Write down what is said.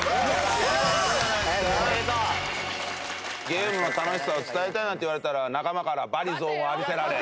ゲームの楽しさを伝えたいなんて言われたら仲間から罵詈雑言を浴びせられ。